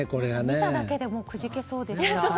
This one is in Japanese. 見ただけでもくじけそうです。